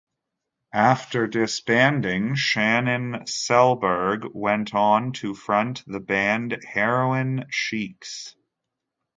After disbanding, Shannon Selberg went on to front the band Heroine Sheiks.